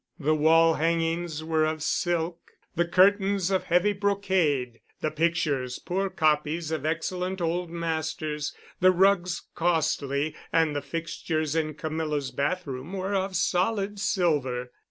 The wall hangings were of silk, the curtains of heavy brocade, the pictures poor copies of excellent old masters, the rugs costly; and the fixtures in Camilla's bathroom were of solid silver.